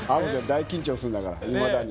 大緊張するんだからいまだに。